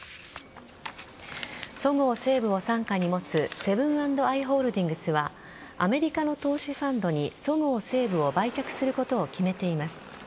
そごう・西武を傘下に持つセブン＆アイ・ホールディングスはアメリカの投資ファンドにそごう・西武を売却することを決めています。